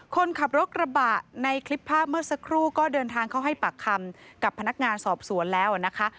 คนขับรถกระบะในคลิปภาพเมื่อสักครู่ก็เดินทางเข้าให้ปากคำกับพนักงานสอบสวนแล้วนะคะ